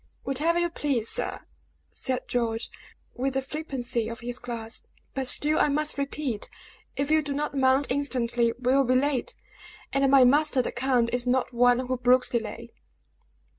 "Whatever you please, sir," said George, with the flippancy of his class; "but still I must repeat, if you do not mount instantly, we will be late; and my master, the count, is not one who brooks delay."